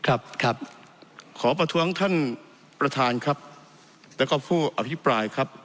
ครับครับขอประท้วงท่านประธานครับแล้วก็ผู้อภิปรายครับ